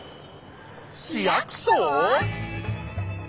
市役所？